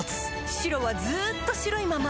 白はずっと白いまま